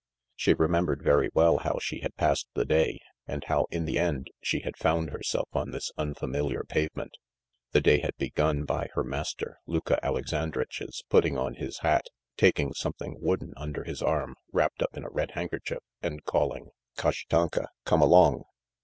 She remembered very well how she had passed the day, and how, in the end, she had found herself on this unfamiliar pavement. The day had begun by her master Luka Alexandritch's putting on his hat, taking something wooden under his arm wrapped up in a red handkerchief, and calling: "Kashtanka, come along!"